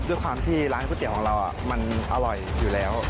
ด้วยความที่ร้านก๋วยเตี๋ยวของเรามันอร่อยอยู่แล้ว